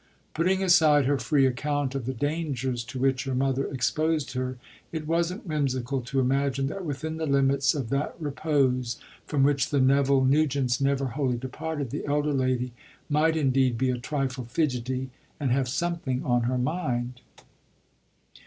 Putting aside her free account of the dangers to which her mother exposed her, it wasn't whimsical to imagine that within the limits of that repose from which the Neville Nugents never wholly departed the elder lady might indeed be a trifle fidgety and have something on her mind.